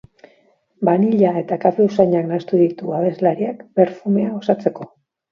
Banilla eta kafe usainak nahastu ditu abeslariak perfumea osatzeko.